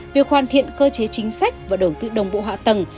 việc hoàn thiện cơ chế chính sách và đầu tư đồng bộ hạ tầng